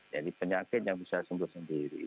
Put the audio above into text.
jadi penyakitnya bisa sembuh sendiri